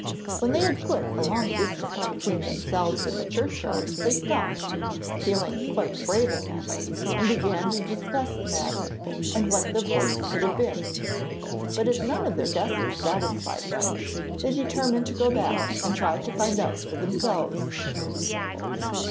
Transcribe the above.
When they had put a long distance between themselves and the churchyard they stopped, feeling quite brave again, and began to discuss the matter and what the voice could have been; but as none of their guesses satisfied them, they determined to go back and try to find out for themselves.